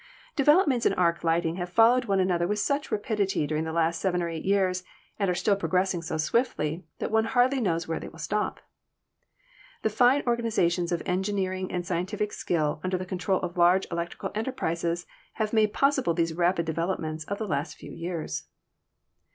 Developments in arc lighting have followed one another with such rapidity during the last seven or eight years, and are still progressing so swiftly, that one hardly knows where they will stop. The fine organizations of engineer ing and scientific skill under the control of large electrical enterprises have made possible these rapid developments of the last few years.